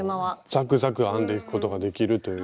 ザクザク編んでいくことができるという。